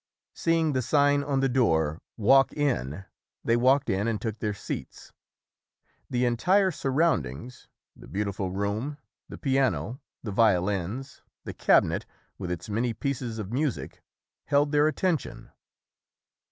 Seeing the sign on the door "Walk In" they walked in and took their seats. The entire sur roundings the beautiful room, the piano, the violins, the cabinet with its many pieces of music, held their attention.